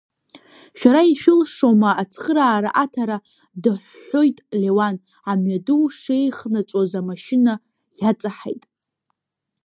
Шәара ишәылшома ацхыраара аҭара, дыҳәҳәоит Леуан, амҩаду шеихнаҵәоз амашьына иаҵаҳаит.